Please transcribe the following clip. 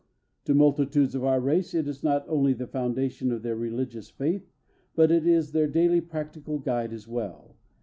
To multitudes of our race it is not only the foundation of their religious faith, but it is their daily practical guide as well.